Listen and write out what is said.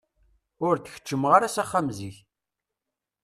Ur d-keččmeɣ ara s axxam zik.